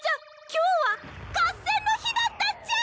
今日は合戦の日だったっちゃ！